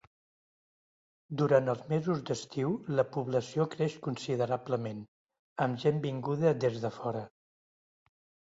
Durant els mesos d'estiu la població creix considerablement, amb gent vinguda des de fora.